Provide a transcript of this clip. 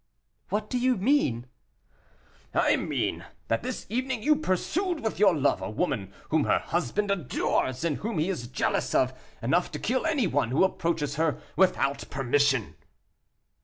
"What do you mean?" "I mean that, this evening, you pursued with your love a woman whom her husband adores, and whom he is jealous of, enough to kill any one who approaches her without permission."